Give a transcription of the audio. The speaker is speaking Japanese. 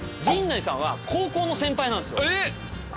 陣内さんは高校の先輩なんすよ。えっ！